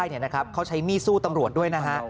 แล้วกว่าจะจับตัวได้เขาใช้มี่สู้ตำรวจด้วยนะฮะ